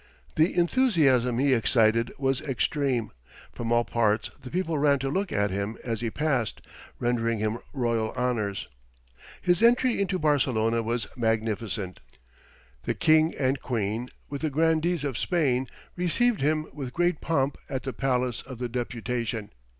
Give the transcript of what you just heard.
The enthusiasm he excited was extreme; from all parts the people ran to look at him as he passed, rendering him royal honours. His entry into Barcelona was magnificent. The king and queen, with the grandees of Spain, received him with great pomp at the palace of the Deputation.